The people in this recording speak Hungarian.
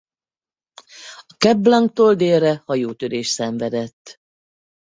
A Cap Blanc-tól délre hajótörést szenvedett.